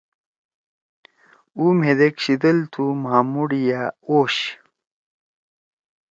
اُو مھیدیک شیِدل تُھو مھامُوڑ یأ اوش۔